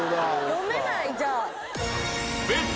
読めないじゃあ。